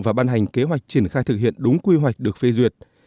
và ban hành kế hoạch triển khai thực hiện đúng quy hoạch được phê duyệt